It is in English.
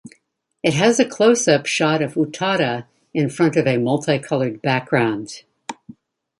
It has a close-up shot of Utada in front of a multi-colored background.